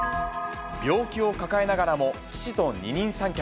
病気を抱えながらも、父と二人三脚。